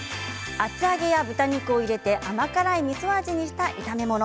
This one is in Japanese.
厚揚げや豚肉を入れて甘辛いみそ味にした炒め物。